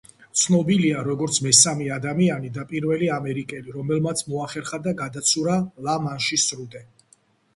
ცნობილია, როგორც მესამე ადამიანი და პირველი ამერიკელი, რომელმაც მოახერხა და გადაცურა ლა-მანშის სრუტე.